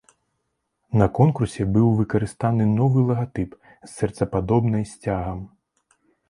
На конкурсе быў выкарыстаны новы лагатып з сэрцападобнай сцягам.